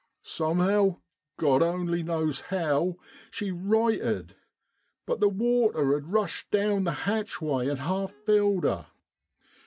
Somehow, Grod only knows how, she righted. But the water had rushed down the hatchway an' half filled her.